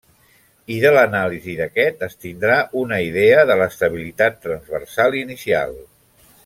I de l'anàlisi d'aquest es tindrà una idea de l'estabilitat transversal inicial.